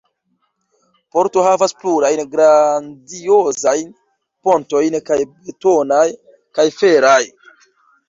Porto havas plurajn grandiozajn pontojn – kaj betonaj, kaj feraj.